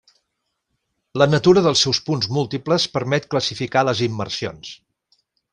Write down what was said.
La natura dels seus punts múltiples permet classificar les immersions.